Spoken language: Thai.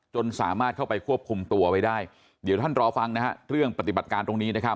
จนสามารถเข้าไปควบคุมตัวไว้ได้เดี๋ยวท่านรอฟังนะฮะเรื่องปฏิบัติการตรงนี้นะครับ